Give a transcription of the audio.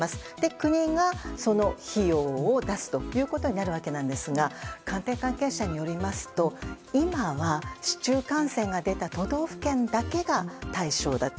国がその費用を出すということになるわけですが官邸関係者によりますと、今は市中感染が出た都道府県だけが対象だと。